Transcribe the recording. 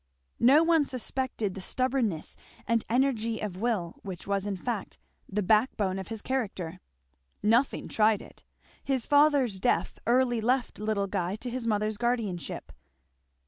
No one suspected the stubbornness and energy of will which was in fact the back bone of his character. Nothing tried it. His father's death early left little Guy to his mother's guardianship.